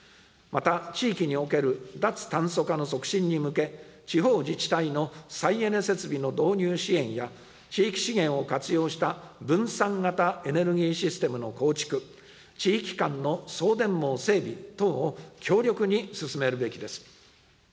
また、地域における脱炭素化の促進に向け、地方自治体の再エネ設備の導入支援や、地域資源を活用した分散型エネルギーシステムの構築、地域間の送電網整備等を強力に進めるべきです。